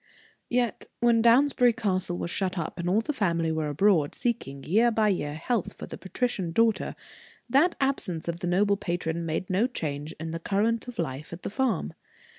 Yet, when Downsbury Castle was shut up, and all the family were abroad, seeking, year by year, health for the patrician daughter, that absence of the noble patron made no change in the current of life at the farm.